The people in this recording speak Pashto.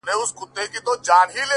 • او تر اوسه مي نه مادي ,